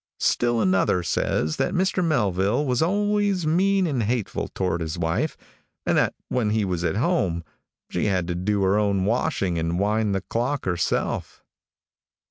Still another says that Mr. Melville was always mean and hateful toward his wife, and that when he was at home, she had to do her own washing and wind the clock herself.